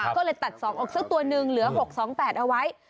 ก็เลยตัด๒อกสักตัวหนึ่งเหลือ๖๒๘เอาไว้